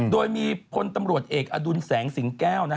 โดยมีพลตำรวจเอกอดุลแสงสิงแก้ว